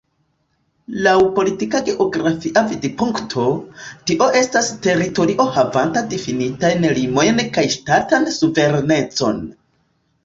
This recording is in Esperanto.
Laŭ politika-geografia vidpunkto, tio estas teritorio havanta difinitajn limojn kaj ŝtatan suverenecon.